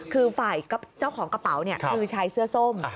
คือฝ่ายเจ้าของกระเป๋าคือชายเสื้อส้ม